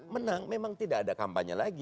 menang memang tidak ada kampanye lagi